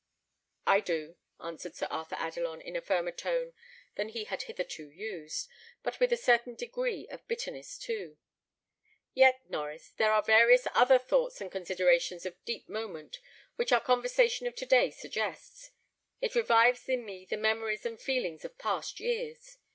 "I do," answered Sir Arthur Adelon, in a firmer tone than he had hitherto used, but with a certain degree of bitterness too. "Yet, Norries, there are various other thoughts and considerations of deep moment, which our conversation of to day suggests. It revives in me the memories and feelings of past years.